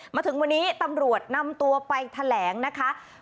มาถึงวันนี้ตำรวจนำตัวไปแถลงนะคะ